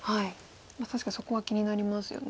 確かにそこは気になりますよね。